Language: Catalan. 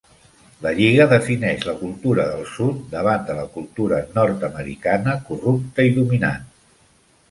La Lliga defineix la cultura del sud davant de la cultura nord-americana corrupta i dominant.